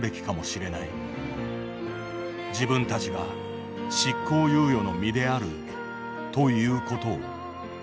自分たちが執行猶予の身であるということを。